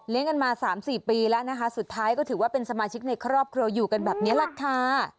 กันมา๓๔ปีแล้วนะคะสุดท้ายก็ถือว่าเป็นสมาชิกในครอบครัวอยู่กันแบบนี้แหละค่ะ